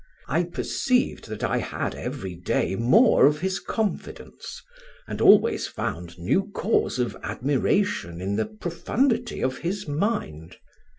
I perceived that I had every day more of his confidence, and always found new cause of admiration in the profundity of his mind.